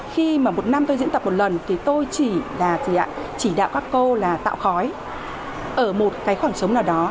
khi mà một năm tôi diễn tập một lần thì tôi chỉ là chỉ đạo các cô là tạo khói ở một cái khoảng trống nào đó